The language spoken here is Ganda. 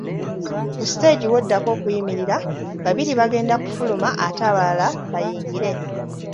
Ku siteegi w'oddako okuyimirira, babiri bagenda kufuluma ate abalala bayingire.